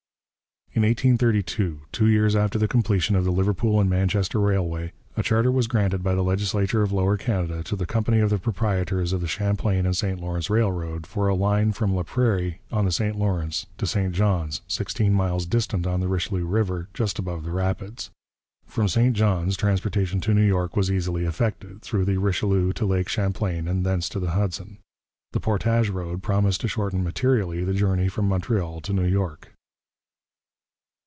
In 1832, two years after the completion of the Liverpool and Manchester Railway, a charter was granted by the legislature of Lower Canada to the Company of the Proprietors of the Champlain and St Lawrence Railroad, for a line from Laprairie on the St Lawrence to St Johns, sixteen miles distant on the Richelieu river, just above the rapids. From St Johns transportation to New York was easily effected, through the Richelieu to Lake Champlain and thence to the Hudson. This portage road promised to shorten materially the journey from Montreal to New York.